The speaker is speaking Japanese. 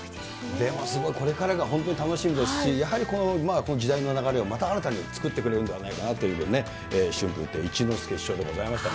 でもすごいこれからが楽しみですし、やはり時代の流れをまた新たに作ってくれるんではないかなという、春風亭一之輔師匠でございました。